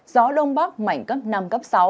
gió đông bắc mảnh cấp năm cấp sáu